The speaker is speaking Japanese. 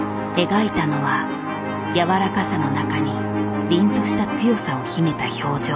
描いたのは柔らかさの中に凜とした強さを秘めた表情。